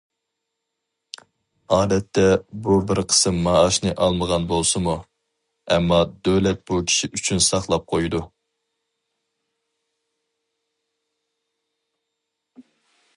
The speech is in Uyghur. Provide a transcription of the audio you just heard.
ئادەتتە بۇ بىر قىسىم مائاشنى ئالمىغان بولسىمۇ، ئەمما دۆلەت بۇ كىشى ئۈچۈن ساقلاپ قويىدۇ.